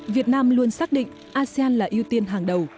việt nam luôn xác định asean là ưu tiên hàng đầu